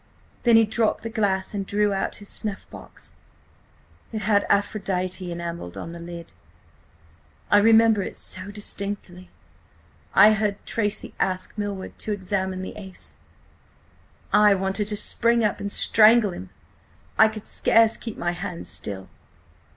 Then he dropped the glass and drew out his snuff box. ... It had Aphrodite enamelled on the lid. I remember it so distinctly. ... I heard Tracy ask Milward to examine the ace. I wanted to spring up and strangle him. ... I could scarce keep my hands still."